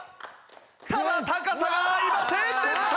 ただ高さが合いませんでした！